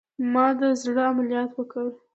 ما د زړه عملیات وکړه